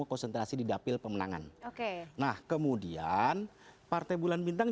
ketua bidang pemenangan partai bulan bintang